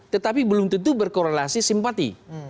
tetapi belum tentu berkorelasi simpati